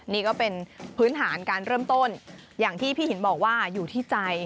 นี่ก็เป็นพื้นฐานการเริ่มต้นอย่างที่พี่หินบอกว่าอยู่ที่ใจ